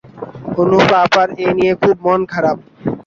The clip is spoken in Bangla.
অনুফা আপার এই নিয়ে খুব মন-খারাপ।